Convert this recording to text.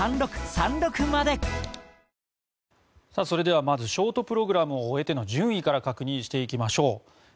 それではまずショートプログラムを終えての順位から確認していきましょう。